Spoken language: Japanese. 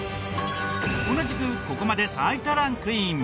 同じくここまで最多ランクイン。